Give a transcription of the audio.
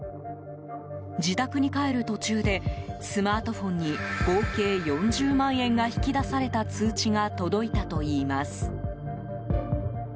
自宅に帰る途中でスマートフォンに合計４０万円が引き出された通知が届いたといいます。